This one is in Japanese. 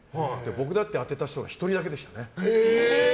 僕だって当てた人は１人だけでしたね。